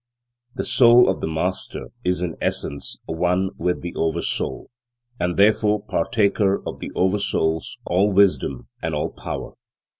The Soul of the Master is in essence one with the Oversoul, and therefore partaker of the Oversoul's all wisdom and all power.